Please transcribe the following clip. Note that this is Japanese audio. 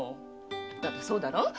だってそうだろ？